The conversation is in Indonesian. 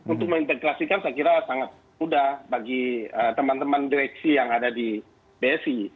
untuk mengintegrasikan saya kira sangat mudah bagi teman teman direksi yang ada di bsi